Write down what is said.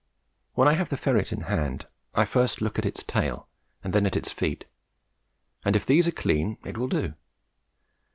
When I have the ferret in hand, I first look at its tail and then at its feet, and if these are clean it will do.